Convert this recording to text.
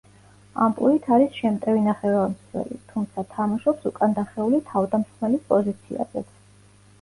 ამპლუით არის შემტევი ნახევარმცველი, თუმცა თამაშობს უკანდახეული თავდამსხმელის პოზიციაზეც.